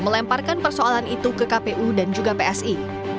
melemparkan persoalan itu ke kpu dan juga psi